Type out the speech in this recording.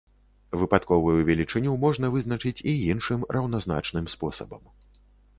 Выпадковую велічыню можна вызначыць і іншым раўназначным спосабам.